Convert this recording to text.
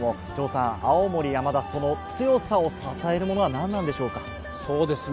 城さん、青森山田、その強さを支えるものは何なんでしょうか？